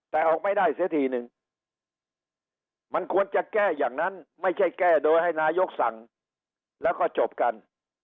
แต่ออกไม่ได้เสียทีนึงมันควรจะแก้อย่างนั้นไม่ใช่แก้โดยให้นายกสั่งแล้วก็จบกัน